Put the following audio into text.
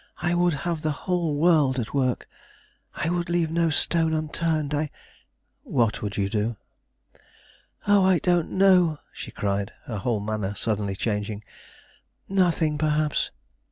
"I would have the whole world at work. I would leave no stone unturned; I " "What would you do?" "Oh, I don't know," she cried, her whole manner suddenly changing; "nothing, perhaps."